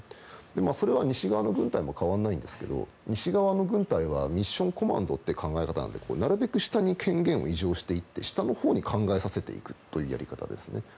それは西側の軍隊も変わらないんですけど西側の軍隊はミッションコマンドという考え方なのでなるべく下に権限を渡していって下のほうに考えさせていくというやり方ですね。